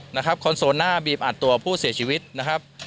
คอนโซลหน้าบีบอัดตัวผู้เสียชีวิตนะครับ